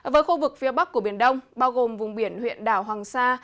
với khu vực phía bắc của biển đông bao gồm vùng biển huyện đảo hoàng sa